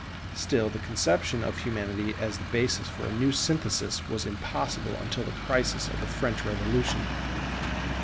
Still the conception of Humanity as the basis for a new synthesis was impossible until the crisis of the French Revolution.